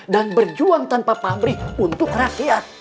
dan berjuang tanpa pamrih untuk rakyat